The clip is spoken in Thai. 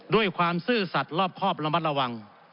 ด้วยความซื่อสัตว์รอบครอบระมัดระวัง